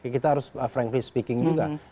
kita harus frankly speaking juga